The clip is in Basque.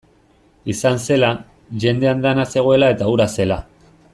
Izan zela, jende andana zegoela eta hura zela.